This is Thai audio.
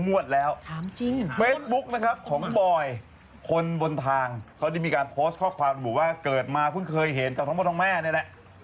งวดแล้วเฟซบุ๊กนะครับของบอยคนบนทางเขาได้มีการโพสต์ข้อความระบุว่าเกิดมาเพิ่งเคยเห็นจากทั้งหมดทั้งแม่นี่แหละ